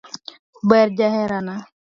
Ber jaherana.